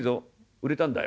「売れたんだよ」。